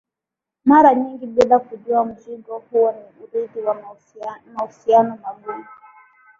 mara nyingi bila kujua Mzigo huo ni urithi wa mahusiano magumu